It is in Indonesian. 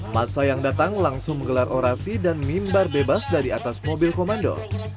masa yang datang langsung menggelar orasi dan mimbar bebas dari atas mobil komando